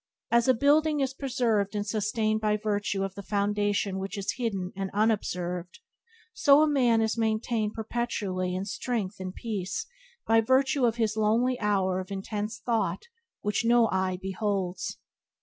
As a building is preserved and sustained by virtue of the foundation which is hidden and unobserved, so a man is maintained perpetually in strength and peace by virtue of his lonely hour of intense thought which no eye beholds.